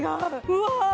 うわ！